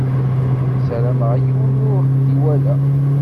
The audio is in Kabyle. Sarameɣ yiwen ur ɣ-d-iwala.